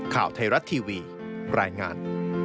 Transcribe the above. ข่าวไทยรัฐทีวีรายงาน